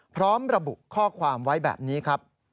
พร้อมระบุข้อความไว้แบบนี้ครับ